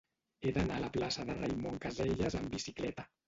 He d'anar a la plaça de Raimon Casellas amb bicicleta.